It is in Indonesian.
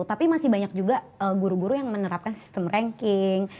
tapi masih banyak juga guru guru yang menerapkan sistem ranking